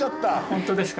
本当ですか。